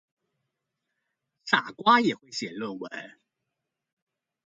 傻瓜也會寫論文